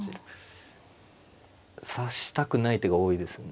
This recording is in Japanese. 指したくない手が多いですね。